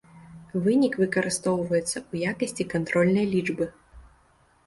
Вынік выкарыстоўваецца ў якасці кантрольнай лічбы.